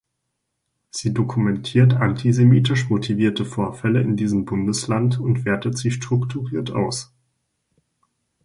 Sie dokumentiert antisemitisch motivierte Vorfälle in diesem Bundesland und wertet sie strukturiert aus.